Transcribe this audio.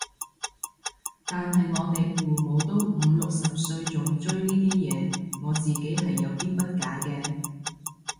但係我哋父母都五六十歲仲追呢啲嘢，我自己係有啲不解嘅